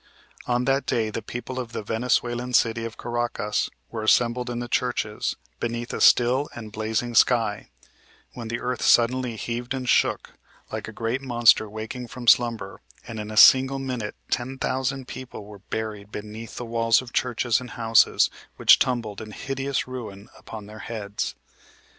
On that day the people of the Venezuelan city of Caracas were assembled in the churches, beneath a still and blazing sky, when the earth suddenly heaved and shook, like a great monster waking from slumber, and in a single minute 10,000 people were buried beneath the walls of churches and houses, which tumbled in hideous ruin upon their heads.